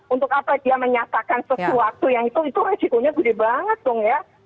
untuk apa dia menyatakan sesuatu yang itu itu resikonya gede banget dong ya